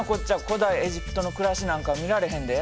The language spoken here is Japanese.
古代エジプトの暮らしなんか見られへんで。